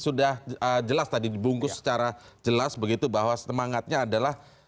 sudah jelas tadi dibungkus secara jelas begitu bahwa semangatnya adalah